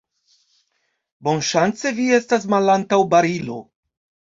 Bonŝance, vi estas malantaŭ barilo.